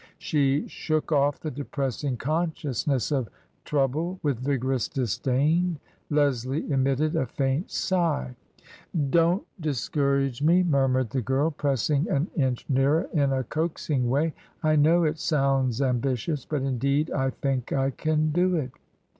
She shook off the depressing consciousness of trouble with vigorous disdain. Leslie emitted a faint sigh. " Dofit discourage me," murmured the girl, pressing an inch nearer in a coaxing way ;" I know it sounds am bitious, but indeed I think I can do it."